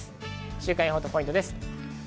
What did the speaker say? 週間予報とポイントです。